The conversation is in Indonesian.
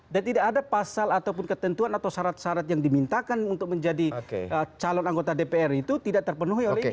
dan tidak ada pasal ataupun ketentuan atau syarat syarat yang dimintakan untuk menjadi calon anggota dpr itu tidak terpenuhi oleh ini